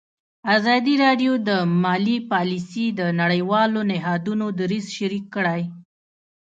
ازادي راډیو د مالي پالیسي د نړیوالو نهادونو دریځ شریک کړی.